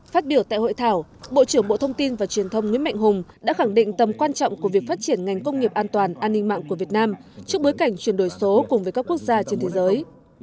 phát biểu tại hội thảo bộ trưởng bộ thông tin và truyền thông nguyễn mạnh hùng đã khẳng định tầm quan trọng của việc phát triển ngành công nghiệp an toàn an ninh mạng của việt nam trước bối cảnh chuyển đổi số cùng với các quốc gia trên thế giới